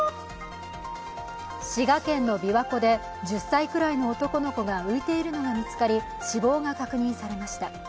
滋賀県の琵琶湖で１０歳くらいの男の子が浮いているのが見つかり、死亡が確認されました。